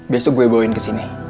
biasa gue bawain kesini